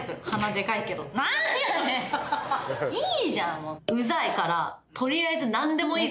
いいじゃん！